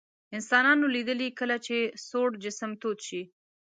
انسانانو لیدلي کله چې سوړ جسم تود شي.